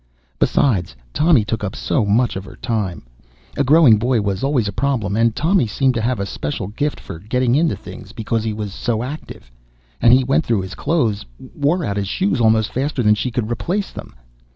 Besides, Tommy took up so much of her time. A growing boy was always a problem and Tommy seemed to have a special gift for getting into things because he was so active. And he went through his clothes, wore out his shoes almost faster than she could replace them.